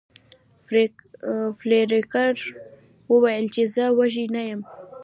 فلیریک وویل چې زه وږی نه یم.